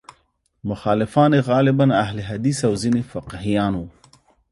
مخالفان یې غالباً اهل حدیث او ځینې فقیهان وو.